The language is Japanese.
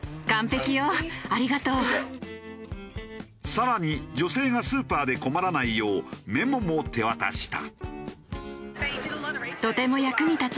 更に女性がスーパーで困らないようメモも手渡した。